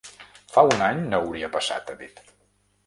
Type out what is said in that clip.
Fa un any no hauria passat, ha dit.